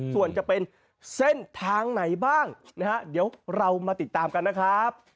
ส่วนจะเป็นเส้นทางไหนบ้างนะฮะเดี๋ยวเรามาติดตามกันนะครับ